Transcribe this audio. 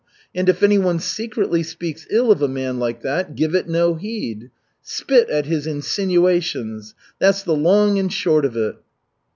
And if anyone secretly speaks ill of a man like that, give it no heed. Spit at his insinuations that's the long and short of it."